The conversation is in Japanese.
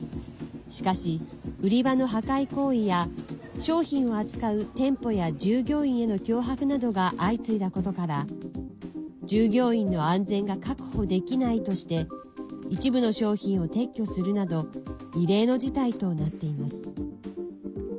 しかし、売り場の破壊行為や商品を扱う店舗や従業員への脅迫などが相次いだことから従業員の安全が確保できないとして一部の商品を撤去するなど異例の事態となっています。